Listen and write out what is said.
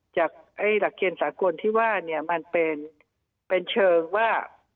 จากหลักเกณฑ์สาหกรณ์ที่มันเป็นเชิงว่า